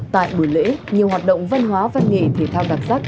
tại buổi lễ nhiều hoạt động văn hóa văn nghệ thể thao đặc sắc